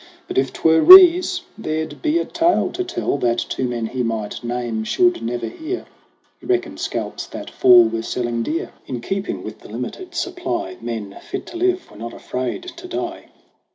But if 'twere Rees there'd be a tale to tell That two men he might name should never hear. He reckoned scalps that Fall were selling dear, 24 SONG OF HUGH GLASS In keeping with the limited supply. Men, fit to live, were not afraid to die